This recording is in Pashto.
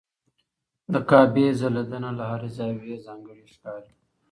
د کعبې ځلېدنه له هر زاویې ځانګړې ښکاري.